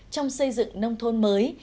trong xây dựng nông thôn mới